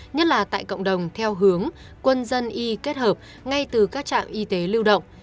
nhất là tại cộng đồng theo hướng quân dân y kết hợp ngay từ các trạm y tế lưu động